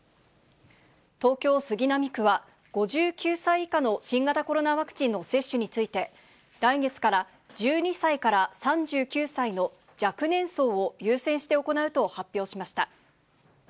東京・杉並区は、５９歳以下の新型コロナワクチンの接種について、来月から１２歳から３９歳の若年層を優先して行うと発表しました。